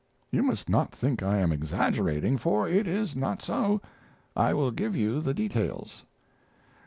You must not think I am exaggerating, for it is not so. I will give you the details.